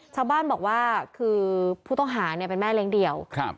ชาวบ้านบอกว่าคือผู้ต้องหาเนี่ยเป็นแม่เลี้ยงเดี่ยวครับ